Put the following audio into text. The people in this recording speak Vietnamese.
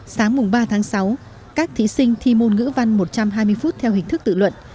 sáng mùng ba tháng sáu các thí sinh thi môn ngữ văn một trăm hai mươi phút theo hình thức tự luận